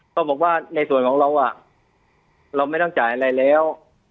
เขาบอกว่าในส่วนของเราเราไม่ต้องจ่ายอะไรแล้ว